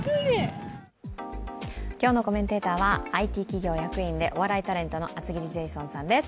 今日のコメンテーターはＩＴ企業役員でお笑いタレントの厚切りジェイソンさんです。